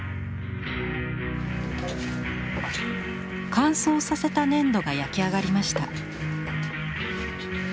乾燥させた粘土が焼き上がりました。